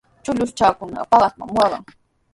Chullukshaykunaqa paqaspami waqan.